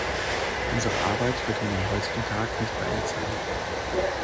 Unsere Arbeit wird mit dem heutigen Tag nicht beendet sein.